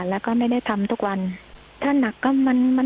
แล้วก็ไม่ได้ทำทุกวันถ้าหนักก็มันมัน